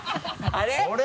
あれ？